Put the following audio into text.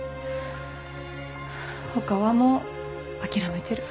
ほかはもう諦めてる。